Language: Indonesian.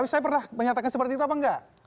saya pernah menyatakan seperti itu apa enggak